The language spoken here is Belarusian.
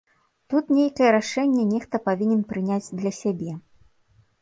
Тут нейкае рашэнне нехта павінен прыняць для сябе.